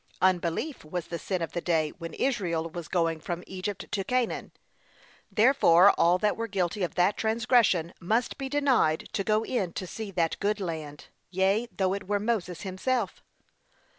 Unbelief was the sin of the day when Israel was going from Egypt to Canaan; therefore all that were guilty of that transgression must be denied to go in to see that good land, yea, though it were Moses himself.